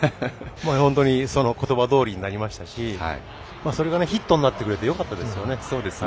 本当にそのことばどおりになりましたしそれが、ヒットになってくれてよかったですよね。